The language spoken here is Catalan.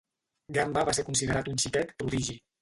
Gamba va ser considerat un xiquet prodigi.